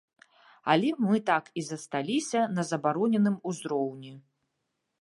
Але мы так і засталіся на забароненым узроўні.